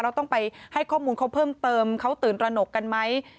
เราต้องไปให้ข้อมูลเขาเพิ่มเติมเขาตื่นตระหนกกันไหม